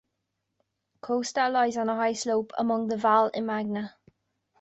Costa lies on a high slope above the Valle Imagna.